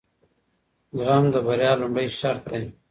زغم د بریا لومړی شرط دی.